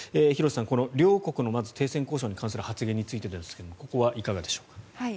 廣瀬さん、この両国の停戦交渉に関する発言についてですがここはいかがでしょうか？